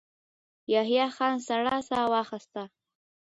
يحيی خان سړه سا وايسته.